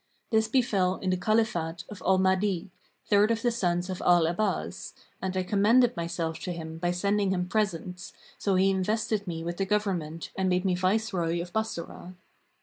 This befel in the Caliphate of Al Mahdi,[FN#535] third of the sons of Al Abbas, and I commended myself to him by sending him presents, so he invested me with the government and made me viceroy of Bassorah.